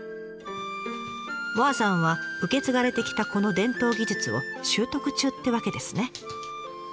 萌彩さんは受け継がれてきたこの伝統技術を習得中ってわけですね。